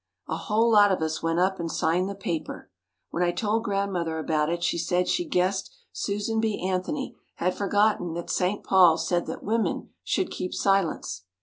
A whole lot of us went up and signed the paper. When I told Grandmother about it she said she guessed Susan B. Anthony had forgotten that St. Paul said the women should keep silence.